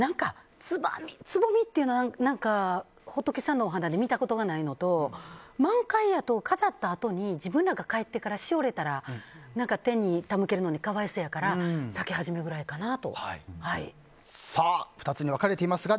つぼみっていうのは仏さんのお花で見たことがないのと満開やと飾ったあとに自分らが帰ってからしおれたら天に手向けるのに可哀想やから２つに分かれていますが